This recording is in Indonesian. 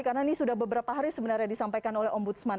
karena ini sudah beberapa hari sebenarnya disampaikan oleh ombudsman